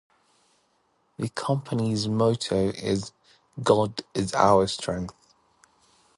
The Company's motto is "God Is Our Strength".